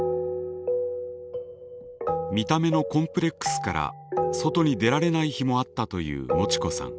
見た目のコンプレックスから外に出られない日もあったというもちこさん。